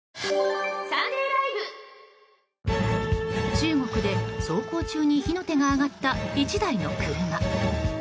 中国で走行中に火の手が上がった１台の車。